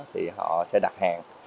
thì họ sẽ đặt hàng